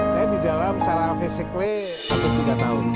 saya di dalam secara fisik hampir tiga tahun